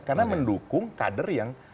karena mendukung kader yang